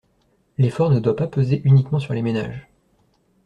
L’effort ne doit pas peser uniquement sur les ménages.